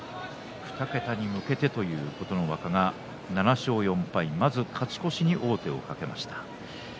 ２桁に向けてという琴ノ若が７勝４敗まず勝ち越しに王手をかけました。